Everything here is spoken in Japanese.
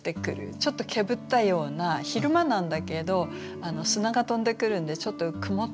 ちょっとけぶったような昼間なんだけど砂が飛んでくるんでちょっと曇ってるぐらい。